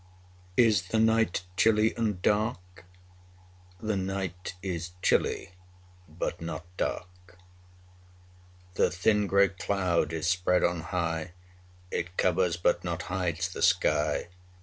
Is the night chilly and dark? The night is chilly, but not dark. 15 The thin gray cloud is spread on high, It covers but not hides the sky.